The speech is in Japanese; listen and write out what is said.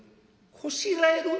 「こしらえる？